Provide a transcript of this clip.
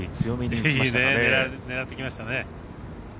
狙ってきましたね。